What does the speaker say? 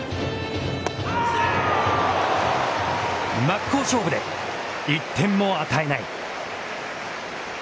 真っ向勝負で１点も与えない。